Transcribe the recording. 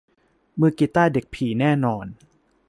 มือกีตาร์เด็กผีแน่นอน